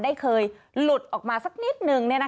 ได้เคยหลุดออกมาสักนิดนึง